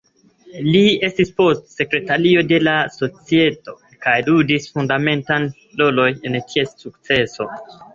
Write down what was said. Li estis poste sekretario de la societo kaj ludis fundamentan rolon en ties sukceso.